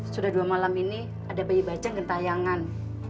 sudah dua malam ini ada bayi baca gentayangan